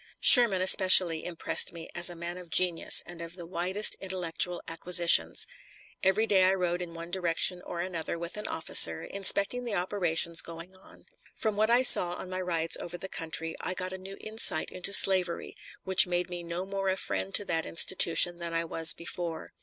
Sherman especially impressed me as a man of genius and of the widest intellectual acquisitions. Every day I rode in one direction or another with an officer, inspecting the operations going on. From what I saw on my rides over the country I got a new insight into slavery, which made me no more a friend to that institution than I was before.